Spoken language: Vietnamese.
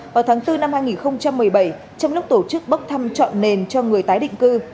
vào tháng bốn năm hai nghìn một mươi bảy trong lúc tổ chức bốc thăm chọn nền cho người tái định cư